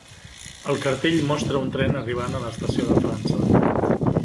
El cartell mostra un tren arribant a l'estació de França.